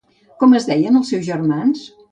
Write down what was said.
Com es deien els seus germans?